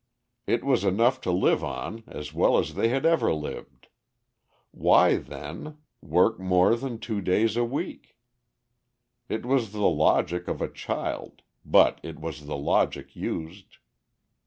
It was enough to live on as well as they had ever lived: why, then, work more than two days a week? It was the logic of a child, but it was the logic used.